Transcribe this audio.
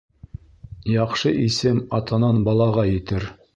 Яҡшы исем атанан балаға етер.